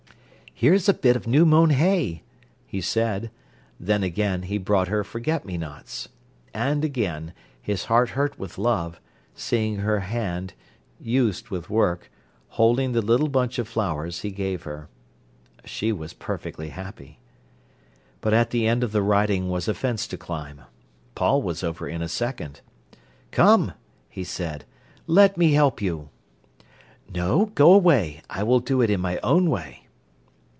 "Here's a bit of new mown hay," he said; then, again, he brought her forget me nots. And, again, his heart hurt with love, seeing her hand, used with work, holding the little bunch of flowers he gave her. She was perfectly happy. But at the end of the riding was a fence to climb. Paul was over in a second. "Come," he said, "let me help you." "No, go away. I will do it in my own way."